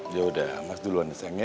yaudah mas duluan ya sayang ya